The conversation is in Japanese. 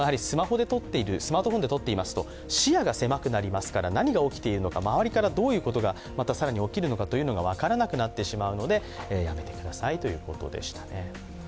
スマートフォンで撮っていますと視野が狭くなりますから周りからどういうことが更に起きるのか、分からなくなってしまうのでやめてくださいということでした。